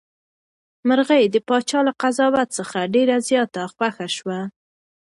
مرغۍ د پاچا له قضاوت څخه ډېره زیاته خوښه شوه.